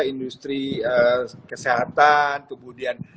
industri kesehatan kemudian